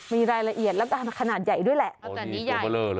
มีรายละเอียดแล้วก็ขนาดใหญ่ด้วยแหละ